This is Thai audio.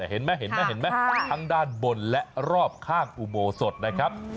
เห็นมั้ยทั้งด้านบนและรอบข้างอุโมสดนะครับ